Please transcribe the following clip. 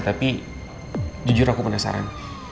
tapi jujur aku penasaran